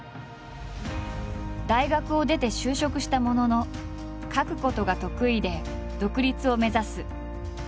大学を出て就職したものの書くことが得意で独立を目指す。